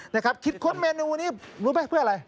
นะครับคิดค้นเมนูนี้รู้ไหมเพื่ออะไร